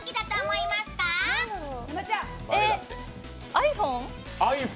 ｉＰｈｏｎｅ？